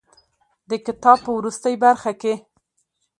د کتاب په وروستۍ برخه کې.